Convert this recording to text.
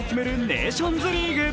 ネーションズリーグ。